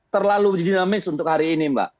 terlalu dinamis untuk hari ini mbak